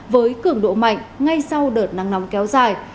với cường độ mạnh ngay sau đợt nắng nóng kéo dài